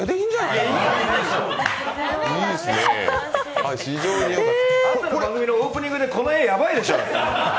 朝の番組のオープニングでこの画、やばいでしょう。